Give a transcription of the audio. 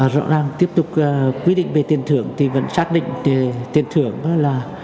rõ ràng tiếp tục quy định về tiền thưởng thì vẫn xác định tiền thưởng là